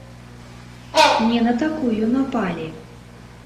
Не на такую напалі.